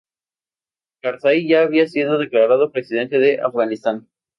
Karzai ya había sido declarado presidente de Afganistán.